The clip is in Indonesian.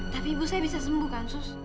tapi ibu saya bisa sembuh kan sus